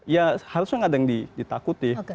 ya harusnya nggak ada yang ditakuti